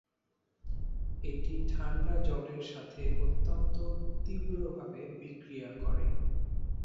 এটি ঠাণ্ডা জলের সাথে অত্যন্ত তীব্রভাবে বিক্রিয়া করে।